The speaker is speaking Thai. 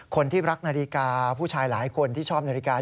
คนที่รักนาฬิกาผู้ชายหลายคนที่ชอบนาฬิกา